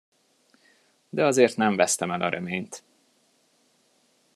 De azért nem vesztem el a reményt.